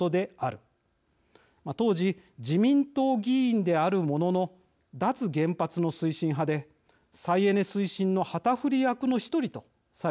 当時自民党議員であるものの脱原発の推進派で再エネ推進の旗振り役の一人とされていました。